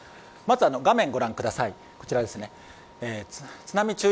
画面をご覧ください。